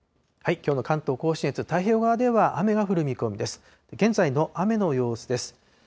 きょうの関東甲信越、太平洋側では雨が降る見込みです。